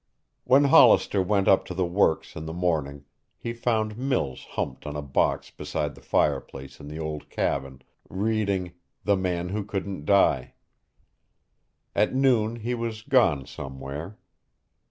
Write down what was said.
When Hollister went up to the works in the morning, he found Mills humped on a box beside the fireplace in the old cabin, reading "The Man Who Couldn't Die." At noon he was gone somewhere.